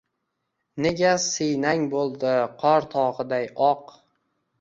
Nega siynang bo’ldi qor tog’iday oq?